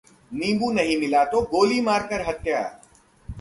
नींबू नहीं मिला तो गोली मार कर हत्या